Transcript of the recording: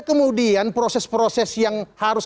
kemudian proses proses yang harus